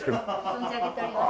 存じ上げております。